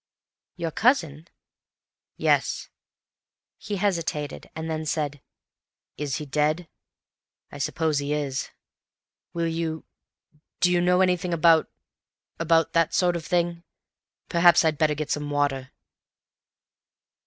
"Your cousin?" "Yes." He hesitated, and then said, "Is he dead? I suppose he is. Will you—do you know anything about—about that sort of thing? Perhaps I'd better get some water."